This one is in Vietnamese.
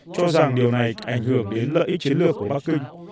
cho rằng điều này ảnh hưởng đến lợi ích chiến lược của bắc kinh